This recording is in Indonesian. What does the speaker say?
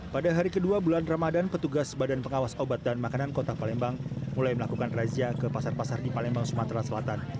pada hari kedua bulan ramadan petugas badan pengawas obat dan makanan kota palembang mulai melakukan razia ke pasar pasar di palembang sumatera selatan